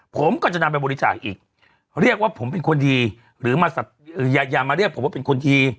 ผมก็จะนำไปบริจาคอีกเรียกว่าผมเป็นคนดีหรือมาอย่ามาเรียกผมว่าเป็นคนดี